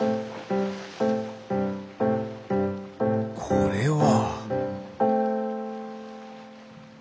これは。